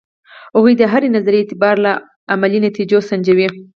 هغوی د هرې نظریې اعتبار له عملي نتیجو سنجوي.